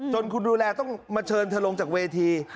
คนดูแลต้องมาเชิญเธอลงจากเวที